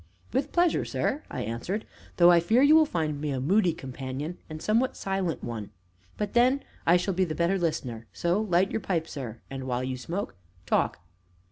"With pleasure, sir!" I answered, "though I fear you will find me a moody companion, and a somewhat silent one; but then, I shall be the better listener, so light your pipe, sir, and, while you smoke, talk."